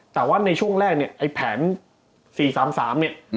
แต่ว่าในช่วงแรกเนี่ยไอ้แผน๔๓๓เนี่ย